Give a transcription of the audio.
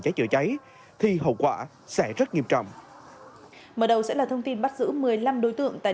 cháy chữa cháy thì hậu quả sẽ rất nghiêm trọng mở đầu sẽ là thông tin bắt giữ một mươi năm đối tượng tại